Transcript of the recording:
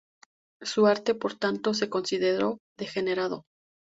Su arte, por tanto, se consideró "degenerado".